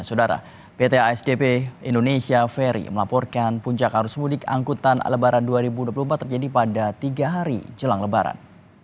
saudara pt asdp indonesia ferry melaporkan puncak arus mudik angkutan lebaran dua ribu dua puluh empat terjadi pada tiga hari jelang lebaran